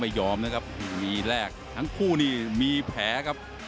เนียมีแรกทั้งผู้ก็มีแผลครับ